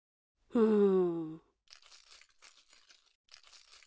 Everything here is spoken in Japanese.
うん。